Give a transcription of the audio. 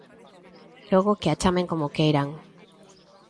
Logo que a chamen como queiran.